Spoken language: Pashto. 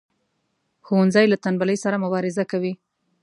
ښوونځی له تنبلی سره مبارزه کوي